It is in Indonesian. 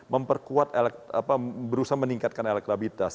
memperkuat berusaha meningkatkan elektabitas